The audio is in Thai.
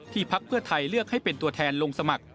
พักเพื่อไทยเลือกให้เป็นตัวแทนลงสมัคร